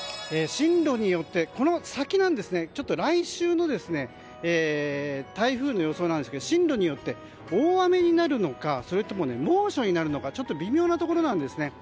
この先なんですが来週の台風の予想なんですが進路によって大雨になるのか、猛暑になるのかちょっと微妙なところなんですね。